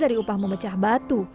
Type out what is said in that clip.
dari upah memecah batu